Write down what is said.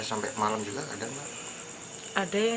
untuk mencari pel parlament